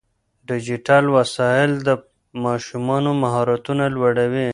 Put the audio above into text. ډیجیټل وسایل د ماشومانو مهارتونه لوړوي.